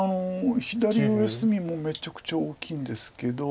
左上隅もめちゃくちゃ大きいんですけど。